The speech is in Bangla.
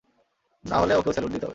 না হলে ওকেও স্যালুট দিতে হবে!